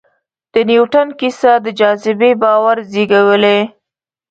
د نیوټن کیسه د جاذبې باور زېږولی.